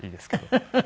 フフフフ。